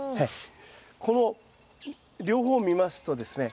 この両方を見ますとですね